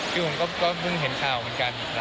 ทีผมก็เพิ่งเห็นข่าวเหมือนกันครับ